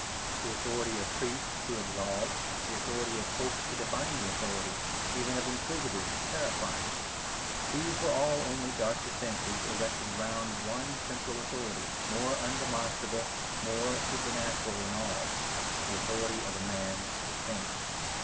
The authority of priests to absolve, the authority of popes to define the authority, even of inquisitors to terrify: these were all only dark defences erected round one central authority, more undemonstrable, more supernatural than all the authority of a man to think.